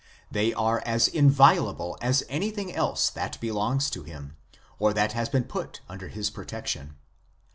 They are as inviolable as anything else that belongs to him, or that has been put under his protection.